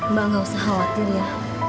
mbak gak usah khawatir ya